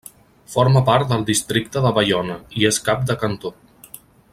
Forma part del districte de Baiona, i és cap de cantó.